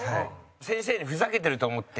先生に、ふざけてると思って。